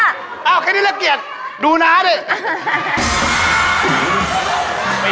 อ้าวแค่นี้สำเร็จดูน้าดิ